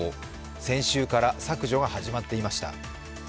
先週から削除が始まっていました。